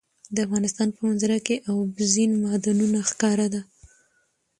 د افغانستان په منظره کې اوبزین معدنونه ښکاره ده.